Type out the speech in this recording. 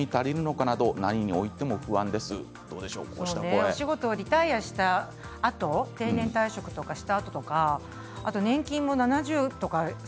お仕事をリタイアしたあと定年退職とかしたあと年金も７０とか。